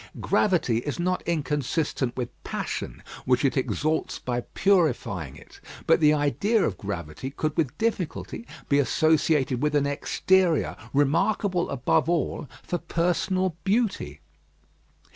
Gravity is not inconsistent with passion, which it exalts by purifying it; but the idea of gravity could with difficulty be associated with an exterior remarkable above all for personal beauty.